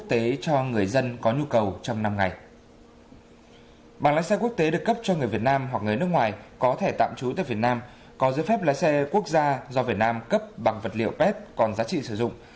trong năm ngày bằng lái xe quốc tế được cấp cho người việt nam hoặc người nước ngoài có thể tạm trú tại việt nam có giấy phép lái xe quốc gia do việt nam cấp bằng vật liệu pet còn giá trị sử dụng